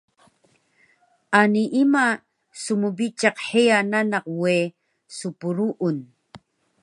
Ani ima smbiciq heya nanak we spruun